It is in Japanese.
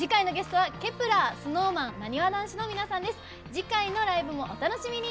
次回のライブもお楽しみに。